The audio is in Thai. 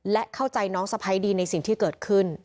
และเข้าใจน้องสะพ้ายดีในสิ่งที่เกิดขึ้น